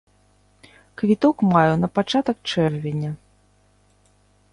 Квіток маю на пачатак чэрвеня.